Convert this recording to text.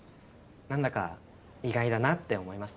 何だか意外だなって思います。